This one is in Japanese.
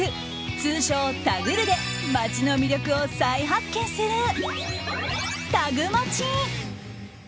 通称タグるで街の魅力を再発見するタグマチ。